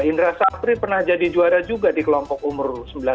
indra sapri pernah jadi juara juga di kelompok umur sembilan belas